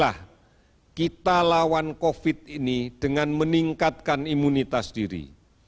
mari kita lawan covid sembilan belas dengan meningkatkan imunitas diri